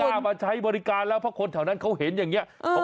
ไม่กล้ามาใช้บริการแล้วเพราะคนถนั้นเขาเห็นอย่างเงี้ยเออ